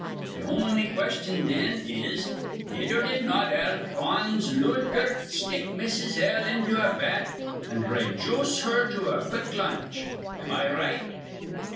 Th' on'y question, thin, is, Did or did not Alphonse Lootgert stick Mrs. L. into a vat, an' rayjooce her to a quick lunch? Am I right?"